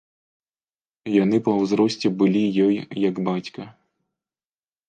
Яны па ўзросце былі ёй як бацька.